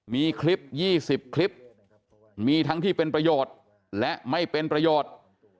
มีคลิป๒๐คลิปมีทั้งที่เป็นประโยชน์และไม่เป็นประโยชน์